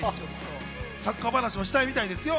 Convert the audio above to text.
サッカー話もしたいみたいですよ。